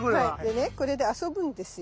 でねこれで遊ぶんですよ。